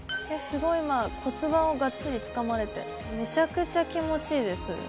すごい今骨盤をがっちりつかまれてめちゃくちゃ気持ちいいです